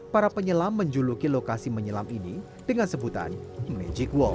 para penyelam menjuluki lokasi menyelam ini dengan sebutan magic walk